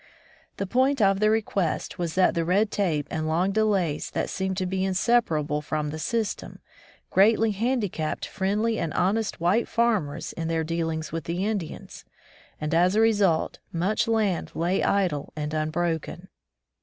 The point of the request was that the red tape and long delays that seem to be in separable from the system, greatly handi capped friendly and honest white farmers in their dealings with the Indians, and, as a result, much land lay idle and unbroken.